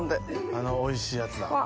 あのおいしいやつだ。